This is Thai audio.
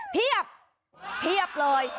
เพียบเลย